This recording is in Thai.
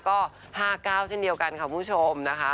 ก็๕๙เช่นเดียวกันค่ะคุณผู้ชมนะคะ